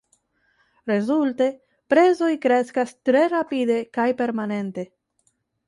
Rezulte, prezoj kreskas tre rapide kaj permanente.